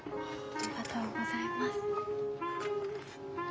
ありがとうございます。